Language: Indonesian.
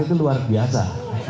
itu luar biasa